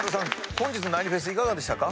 本日の何フェスいかがでしたか？